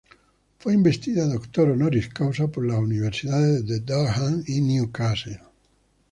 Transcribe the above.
Fue investida doctor "honoris causa" por las universidades de Durham y Newcastle.